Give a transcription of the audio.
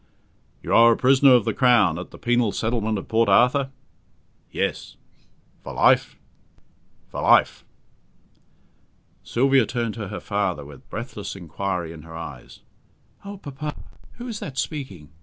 "You are a prisoner of the Crown at the penal settlement of Port Arthur?" "Yes." "For life?" "For life." Sylvia turned to her father with breathless inquiry in her eyes. "Oh, papa! who is that speaking?